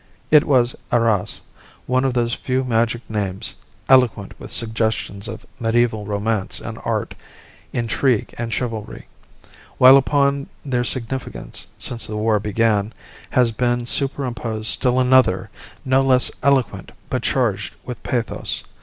It was Arras, one of those few magic names, eloquent with suggestions of mediaeval romance and art, intrigue and chivalry; while upon their significance, since the war began, has been superimposed still another, no less eloquent but charged with pathos.